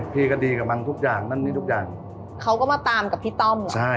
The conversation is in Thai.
พี่ก็ดีกับมันทุกอย่างนั่นนี่ทุกอย่างเขาก็มาตามกับพี่ต้อมหมดใช่